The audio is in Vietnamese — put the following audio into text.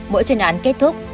mỗi chuyên án kết thúc